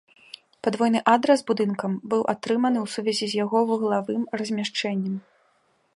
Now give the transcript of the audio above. Падвойны адрас будынкам быў атрыманы ў сувязі з яго вуглавым размяшчэннем.